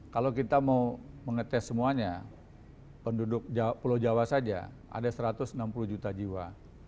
kalau kita mau mengetes semuanya penduduk pulau jawa saja ada satu ratus enam puluh juta jiwa